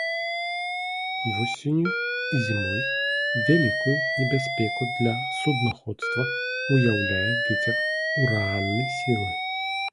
Восенню і зімой вялікую небяспеку для суднаходства ўяўляе вецер ураганнай сілы.